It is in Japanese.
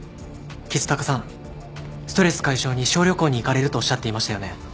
橘高さんストレス解消に小旅行に行かれるとおっしゃっていましたよね？